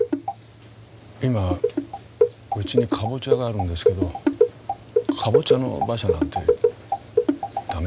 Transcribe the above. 今うちにカボチャがあるんですけどカボチャの馬車なんて駄目？